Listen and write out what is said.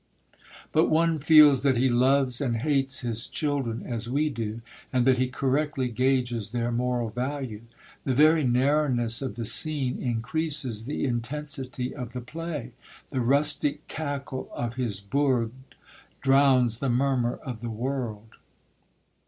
But one feels that he loves and hates his children as we do, and that he correctly gauges their moral value. The very narrowness of the scene increases the intensity of the play. The rustic cackle of his bourg drowns the murmur of the world.